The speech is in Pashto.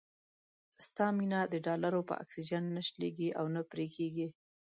ستا مينه د ډالرو په اکسيجن نه شلېږي او نه پرې کېږي.